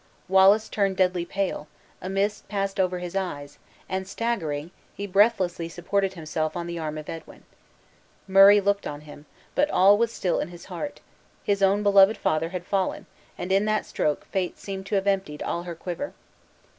Wallace turned deadly pale; a mist passed over his eyes, and staggering, he breathlessly supported himself on the arm of Edwin. Murray looked on him; but all was still in his heart: his own beloved father had fallen; and in that stroke Fate seemed to have emptied all her quiver.